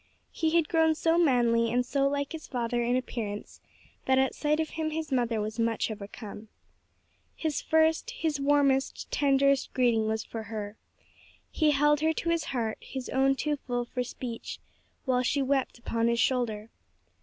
He had grown so manly and so like his father in appearance that at sight of him his mother was much overcome. His first, his warmest, tenderest greeting was for her. He held her to his heart, his own too full for speech, while she wept upon his shoulder.